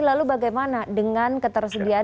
lalu bagaimana dengan ketersediaan